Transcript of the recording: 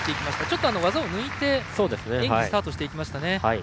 ちょっと技を抜いて演技スタートしていきました。